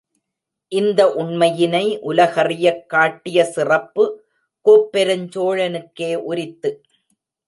இந்த உண்மையினை உலகறியக் காட்டிய சிறப்பு கோப்பெருஞ் சோழனுக்கே உரித்து.